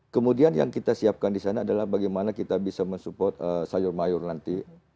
kemudian yang kita siapkan di sana adalah bagaimana kita bisa mensupport sayur mayur nanti